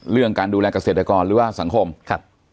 เรื่องการดูแลเกษตรกรหรือว่าสังคมครับ